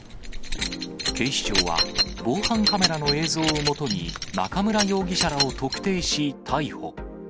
警視庁は、防犯カメラの映像を基に、中村容疑者らを特定し逮捕。